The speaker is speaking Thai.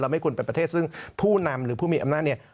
ไม่ควรเป็นประเทศซึ่งผู้นำหรือผู้มีอำนาจเนี่ย